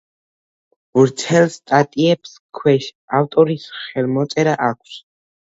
ვრცელ სტატიებს ქვეშ ავტორის ხელმოწერა აქვს.